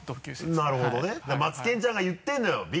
なるほどねマツケンちゃんが言ってるのよ。